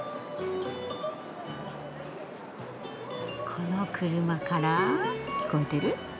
この車から聞こえてる？